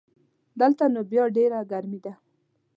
دلته نو بیا ډېره ګرمي ده